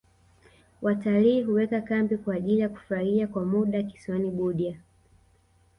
watalii huweka kambi kwa ajili ya kufurahia kwa muda kisiwani budya